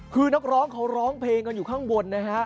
คือนักร้องเขาร้องเพลงกันอยู่ข้างบนนะฮะ